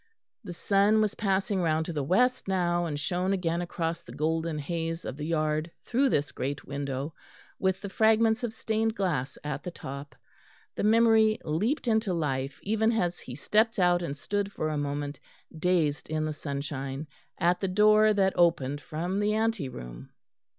The sun was passing round to the west now, and shone again across the golden haze of the yard through this great window, with the fragments of stained glass at the top. The memory leapt into life even as he stepped out and stood for a moment, dazed in the sunshine, at the door that opened from the ante room.